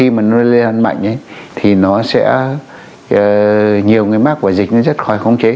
và các bạn biết rằng khi mà nó lên mạnh thì nó sẽ nhiều người mắc của dịch nó rất khỏi khống chế